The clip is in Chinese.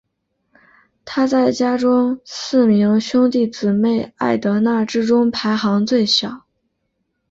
她在家中四名兄弟姊妹艾德娜之中排行最小。